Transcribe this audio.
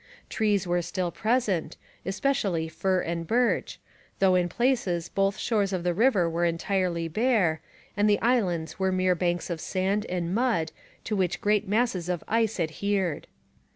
Trees were still present, especially fir and birch, though in places both shores of the river were entirely bare, and the islands were mere banks of sand and mud to which great masses of ice adhered.